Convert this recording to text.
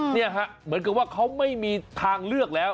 เนี่ยฮะเหมือนกับว่าเขาไม่มีทางเลือกแล้ว